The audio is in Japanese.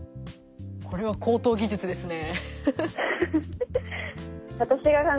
これは高等技術ですね。